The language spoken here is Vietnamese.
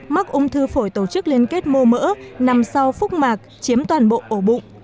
mắc ung thư phổi tổ chức liên kết mô mỡ nằm sau phúc mạc chiếm toàn bộ ổ bụng